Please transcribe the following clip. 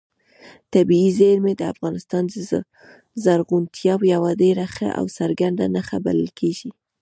طبیعي زیرمې د افغانستان د زرغونتیا یوه ډېره ښه او څرګنده نښه بلل کېږي.